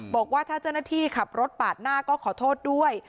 บอกว่าถ้าเจ้าหน้าที่ขับรถปาดหน้าก็ขอโทษด้วย